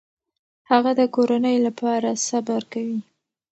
هغه د کورنۍ لپاره صبر کوي.